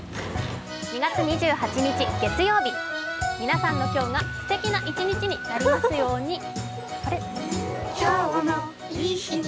２月２８日月曜日、皆さんの今日がすてきな１日になりますように。